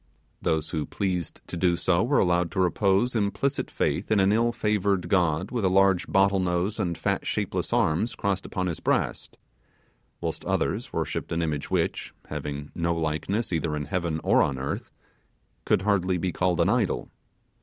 Those who pleased to do so were allowed to repose implicit faith in an ill favoured god with a large bottle nose and fat shapeless arms crossed upon his breast; whilst others worshipped an image which, having no likeness either in heaven or on earth, could hardly be called an idol.